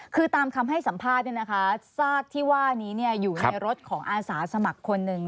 คือตามคำให้สัมภาษณ์ซากที่ว่านี้อยู่ในรถของอาสาสมัครคนหนึ่ง